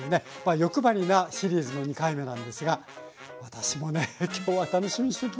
欲張りなシリーズの２回目なんですが私もね今日は楽しみにしてきました。